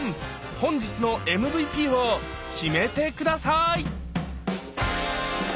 本日のＭＶＰを決めて下さい！